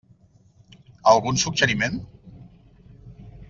Algun suggeriment?